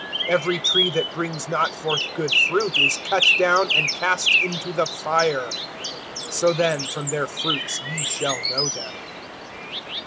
(19)Every tree that brings not forth good fruit is cut down, and cast into the fire. (20)So then, from their fruits ye shall know them.